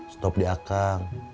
stop di akang